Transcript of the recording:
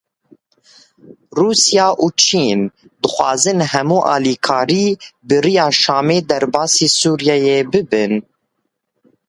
Rûsya û Çîn dixwazin hemû alîkarî bi rêya Şamê derbasî Sûriyeyê bibin.